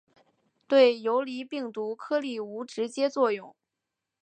对游离病毒颗粒无直接作用。